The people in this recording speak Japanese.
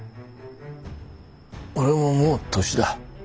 俺ももう年だ。